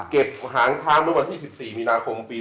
เก็บหางช้างเปิดวันที่๑๔เมปี